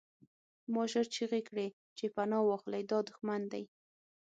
ما ژر چیغې کړې چې پناه واخلئ دا دښمن دی